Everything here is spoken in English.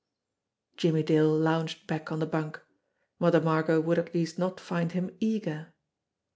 Jimmie Dale lounged back on the bunk. Mother Margot would at least not find him eager.